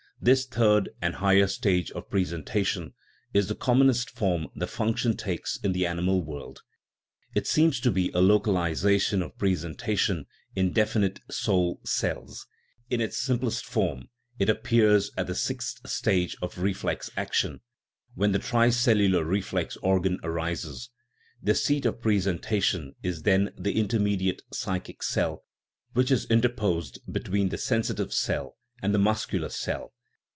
This third and higher stage of presentation is the commonest form the function takes in the animal world ; it seems to be a localization of presentation in definite " soul cells. " In its simplest form it appears at the sixth stage of reflex action, when the tricellular reflex organ arises : the seat of presentation is then the intermediate *E. Haeckel, * General Natural History of the Radiolaria "; 1887. 118 PSYCHIC GRADATIONS psychic cell, which is interposed between the sensitive cell and the muscular cell.